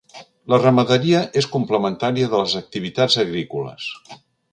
La ramaderia és complementària de les activitats agrícoles.